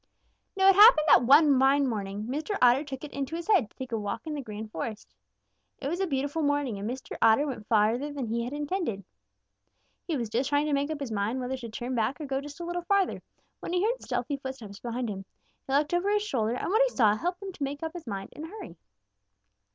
"Now it happened that one fine morning Mr. Otter took it into his head to take a walk in the Green Forest. It was a beautiful morning, and Mr. Otter went farther than he intended. He was just trying to make up his mind whether to turn back or go just a little farther, when he heard stealthy footsteps behind him. He looked over his shoulder, and what he saw helped him to make up his mind in a hurry.